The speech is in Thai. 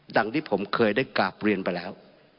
ดังที่ผมเคยได้กราบเรียนไปแล้ว